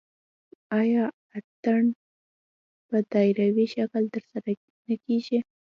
آیا اتن په دایروي شکل ترسره نه کیږي؟